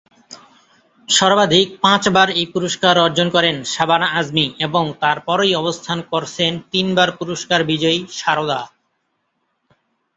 সর্বাধিক পাঁচবার এই পুরস্কার অর্জন করেন শাবানা আজমি এবং তার পরই অবস্থান করছেন তিনবার পুরস্কার বিজয়ী শারদা।